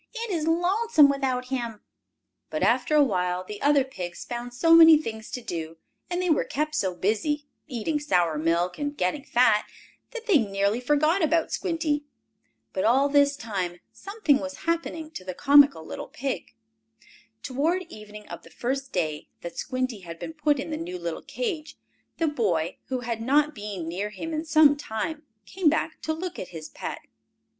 "It is lonesome without him." But, after a while, the other pigs found so many things to do, and they were kept so busy, eating sour milk, and getting fat, that they nearly forgot about Squinty. But, all this time, something was happening to the comical little pig. Toward evening of the first day that Squinty had been put in the new little cage, the boy, who had not been near him in some time, came back to look at his pet.